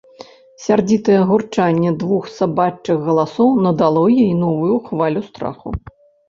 Сярдзітае гурчанне двух сабачых галасоў надало ёй новую хвалю страху.